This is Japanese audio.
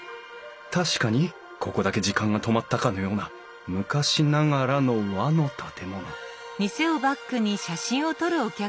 確かにここだけ時間が止まったかのような昔ながらの和の建物えっ